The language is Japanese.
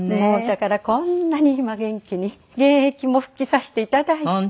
だからこんなに今元気に現役も復帰させて頂いて。